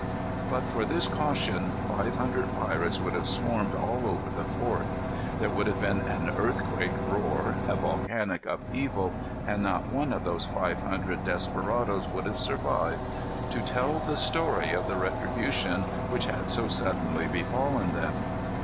But for this caution, five hundred pirates would have swarmed all over the fort. There would have been an earthquake roar, a volcanic upheaval, and not one of those five hundred desperadoes would have survived to tell the story of the retribution which had so suddenly befallen them.